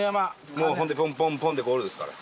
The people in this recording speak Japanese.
もうほんでポンポンポンでゴールですから。